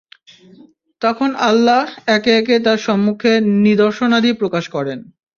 তখন আল্লাহ একে একে তার সম্মুখে নিদর্শনাদি প্রকাশ করেন।